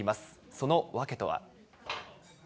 その訳とは。